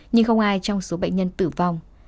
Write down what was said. nhưng không ai trong số bệnh nhân tử vong